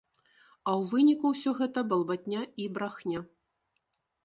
А ў выніку ўсё гэта балбатня і брахня.